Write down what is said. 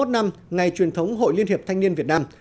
sáu mươi một năm ngày truyền thống hội liên hiệp thanh niên việt nam